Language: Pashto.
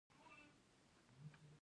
ایا په موادو غایطه کې وینه شته؟